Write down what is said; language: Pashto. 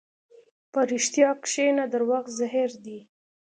په رښتیا کښېنه، دروغ زهر دي.